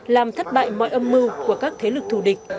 làm thất bại mọi âm mưu của các thế lực thù địch